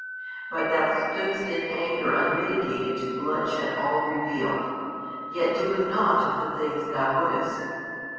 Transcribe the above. But thou stoodst in anger unmitigated to bloodshed all revealed, yet doing nought of the things thou wouldest.